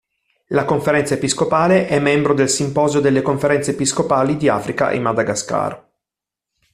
La Conferenza episcopale è membro del Simposio delle conferenze episcopali di Africa e Madagascar.